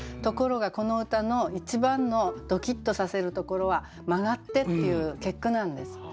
ところがこの歌の一番のドキッとさせるところは「曲がって」っていう結句なんです。